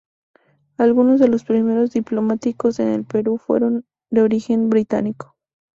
Algunos de los primeros diplomáticos en el Perú fueron de origen británico.